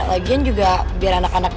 lagian juga biar anak anak